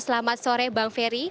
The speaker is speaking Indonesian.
selamat sore bang ferry